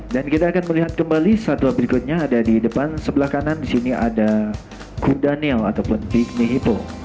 dan kita akan melihat kembali satwa berikutnya ada di depan sebelah kanan disini ada kudaniel ataupun pygmy hippo